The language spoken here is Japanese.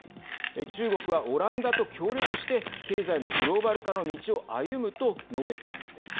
中国はオランダと協力して経済のグローバル化の道を歩むと述べたんです。